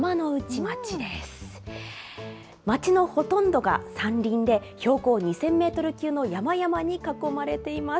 町のほとんどが山林で、標高２０００メートル級の山々に囲まれています。